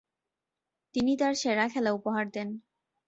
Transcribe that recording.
তিনি তার সেরা খেলা উপহার দেন।